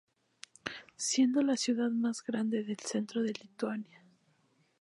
Siendo la ciudad más grande del centro de Lituania.